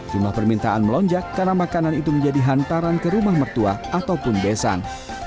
jumlah permintaan melonjak karena makanan itu menjadi hantaran ke rumah mertua ataupun besan